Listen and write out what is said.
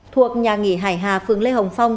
thuộc nhà nghỉ hải hà phường lê hồng phong